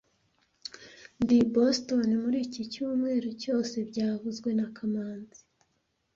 Ndi i Boston muri iki cyumweru cyose byavuzwe na kamanzi